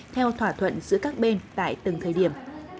theo thỏa thuận giữa các bên tại từng thời điểm